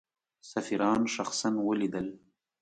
سفیران شخصا ولیدل.